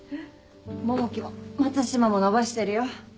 桃木も松島も伸ばしてるよ。